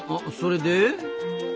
あそれで？